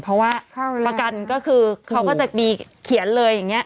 เพราะว่าประกันก็คือเขาก็จะมีเขียนเลยอย่างนี้